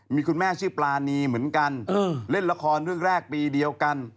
มีคุณแม่ชื่อปรานีเหมือนกันเล่นละครเรื่องแรกปีเดียวกัน